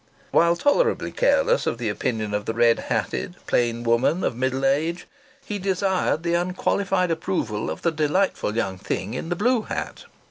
While tolerably careless of the opinion of the red hatted, plain woman of middle age, he desired the unqualified approval of the delightful young thing in the blue hat.